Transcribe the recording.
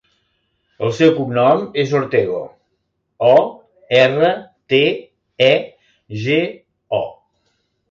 El seu cognom és Ortego: o, erra, te, e, ge, o.